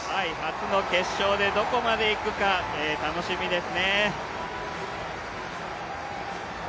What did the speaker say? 初の決勝でどこまでいくか、楽しみですね。